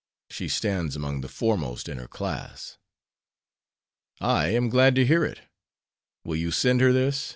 She stands among the foremost in her class." "I am glad to hear it. Will you send her this?"